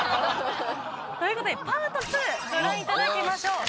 ということでパート２ご覧いただきましょう。